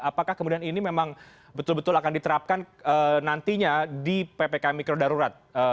apakah kemudian ini memang betul betul akan diterapkan nantinya di ppkm mikro darurat